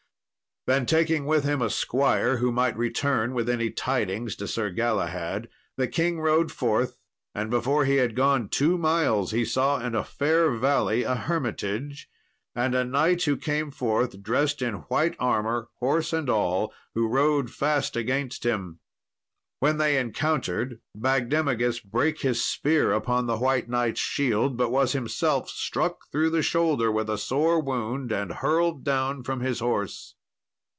Then taking with him a squire who might return with any tidings to Sir Galahad, the king rode forth; and before he had gone two miles, he saw in a fair valley a hermitage, and a knight who came forth dressed in white armour, horse and all, who rode fast against him. When they encountered, Bagdemagus brake his spear upon the White Knight's shield, but was himself struck through the shoulder with a sore wound, and hurled down from his horse.